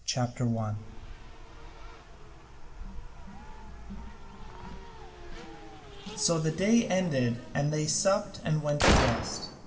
1] So the day ended, and they supped and went to rest.